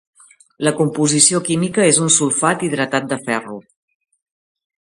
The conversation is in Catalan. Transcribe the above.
La composició química és un sulfat hidratat de ferro.